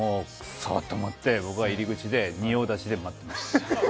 そーと思って僕は入り口で仁王立ちで待ってました。